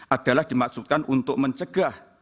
adalah dimaksudkan untuk mencegah